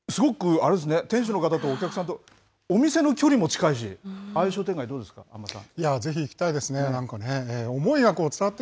いやー、なんかすごくあれですね、店主の方とお客さんと、お店の距離も近いし、ああいう商店街どうですか、安間さん。